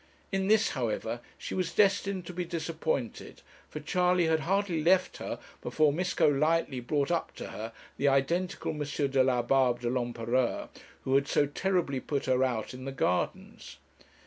In this, however, she was destined to be disappointed, for Charley had hardly left her before Miss Golightly brought up to her the identical M. Delabarbe de l'Empereur who had so terribly put her out in the gardens.